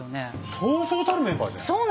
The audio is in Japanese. そうそうたるメンバーじゃない。